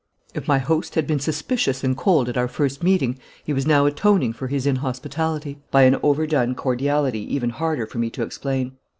If my host had been suspicious and cold at our first meeting he was now atoning for his inhospitality by an overdone cordiality even harder for me to explain.